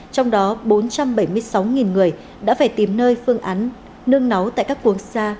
trong đó bốn trăm bảy mươi sáu người đã phải tìm nơi phương án nương nấu tại các quốc gia